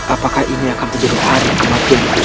apakah ini akan menjadi hari kematianmu